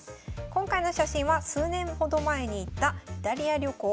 今回の写真は数年ほど前に行ったイタリア旅行。